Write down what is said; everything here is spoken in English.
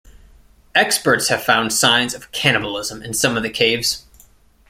Experts have found signs of cannibalism in some of the caves.